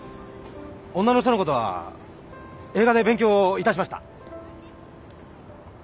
女の人のことは映画で勉強いたしました！